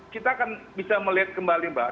kita akan bisa melihat kembali mbak